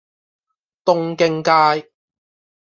東京街